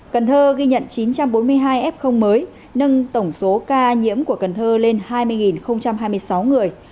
cần thơ ghi nhận chín trăm bốn mươi hai f mới nâng tổng số ca nhiễm của cần thơ lên hai mươi hai mươi sáu người